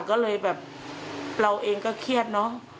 ก็เลยแบบเราเองก็เครียดเนอะ